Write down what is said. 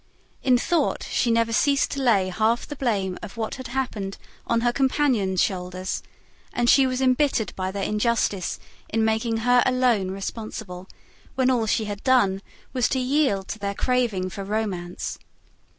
In thought, she never ceased to lay half the blame of what had happened on her companions' shoulders; and she was embittered by their injustice in making her alone responsible, when all she had done was to yield to their craving for romance.